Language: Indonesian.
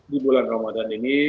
di bulan ramadan ini